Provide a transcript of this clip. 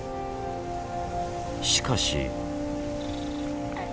しかし。